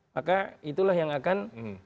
maka itulah yang akan